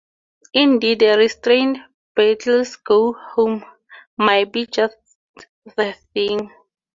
Indeed a restrained 'Beatles go home' might be just the thing.